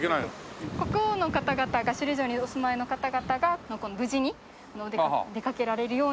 国王の方々が首里城にお住まいの方々が無事に出かけられるようにという。